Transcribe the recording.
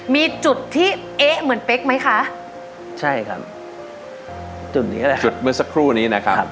มีจุดที่เอ๊ะเหมือนเป๊กไหมคะใช่ครับจุดนี้ก็ได้จุดเมื่อสักครู่นี้นะครับ